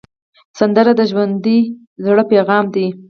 سندره د ژوندي زړه پیغام دی